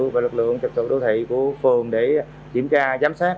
và lực lượng trực tượng đô thị của phường để kiểm tra giám sát